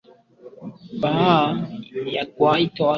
baada ya kutiwa nguvuni asanch mashirika ya kutetea haki za binaadamu